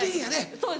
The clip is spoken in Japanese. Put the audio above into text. そうです。